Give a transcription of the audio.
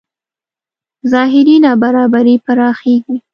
ظاهري نابرابرۍ پراخېږي.